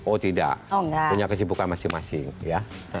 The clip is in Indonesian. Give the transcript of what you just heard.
oh tidak punya kesibukan masing masing ya